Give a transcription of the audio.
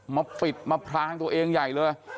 มาปิดมาพรางตัวเองใหญ่เลย